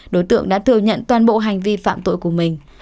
đối tượng đã thừa nhận toàn bộ hành vi phạm tội của mình